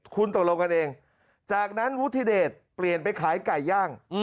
คุณตกลงกันเองจากนั้นวุฒิเดชเปลี่ยนไปขายไก่ย่าง